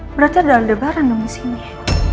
berarti ada udebaran dong disini